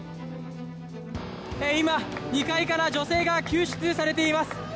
今、２階から女性が救出されています。